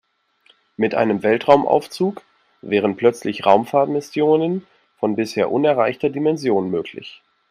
Mit einem Weltraumaufzug wären plötzlich Raumfahrtmissionen von bisher unerreichter Dimension möglich.